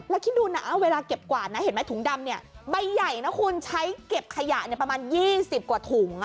แล้วคิดดูนะเวลาเก็บกวาดนะเห็นไหมถุงดำเนี่ยใบใหญ่นะคุณใช้เก็บขยะประมาณ๒๐กว่าถุง